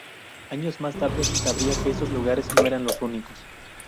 Años más tarde, se sabría que estos lugares no eran los únicos.